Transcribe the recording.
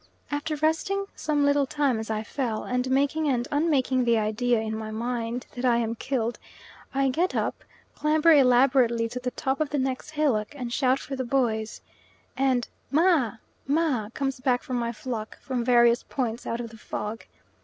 After resting some little time as I fell, and making and unmaking the idea in my mind that I am killed, I get up, clamber elaborately to the top of the next hillock, and shout for the boys, and "Ma," "ma," comes back from my flock from various points out of the fog.